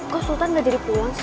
kok sultan gak jadi pulang sih